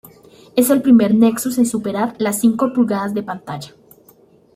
Es el primer Nexus en superar las cinco pulgadas de pantalla.